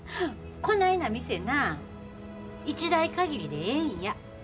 こないな店なあ一代限りでええんや。